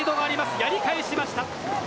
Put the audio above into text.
やり返しました。